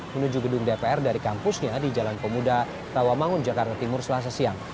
menuju gedung dpr dari kampusnya di jalan pemuda tawa mangun jakarta timur selasa siang